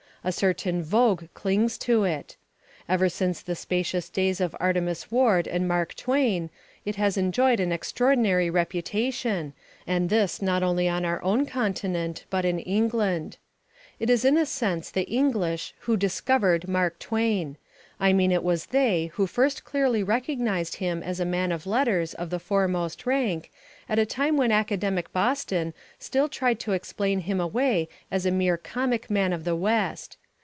A certain vogue clings to it. Ever since the spacious days of Artemus Ward and Mark Twain it has enjoyed an extraordinary reputation, and this not only on our own continent, but in England. It was in a sense the English who "discovered" Mark Twain; I mean it was they who first clearly recognised him as a man of letters of the foremost rank, at a time when academic Boston still tried to explain him away as a mere comic man of the West.